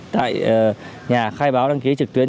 tại nhà khai báo đăng ký trực tuyến